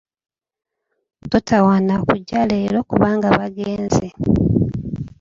Totawaana kujja leero kubanga bagenze.